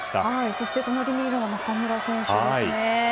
そして隣にいるのが中村選手ですね。